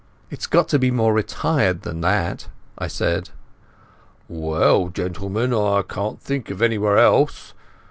"It's got to be more retired than that," I said. "Well, gentlemen, I can't think of anywhere else.